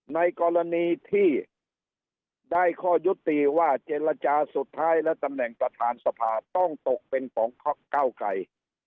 ในกรณีที่ได้ข้อยุติว่าเจรจาสุดท้ายและตำแหน่งประธานสภาต้องตกเป็นของพักเก้าไกร